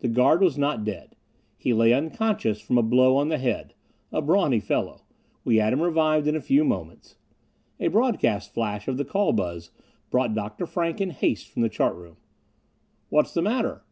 The guard was not dead. He lay unconscious from a blow on the head. A brawny fellow. We had him revived in a few moments. A broadcast flash of the call buzz brought Dr. Frank in haste from the chart room. "What's the matter?"